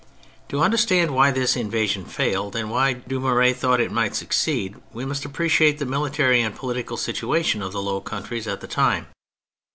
To understand why this invasion failed and why Dumouriez thought it might succeed, we must appreciate the military and political situation of the Low Countries at the time.